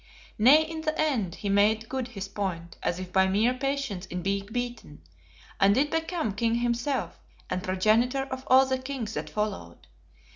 Nay in the end, he made good his point, as if by mere patience in being beaten; and did become King himself, and progenitor of all the Kings that followed.